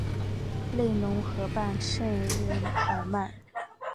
勒农河畔圣日耳曼。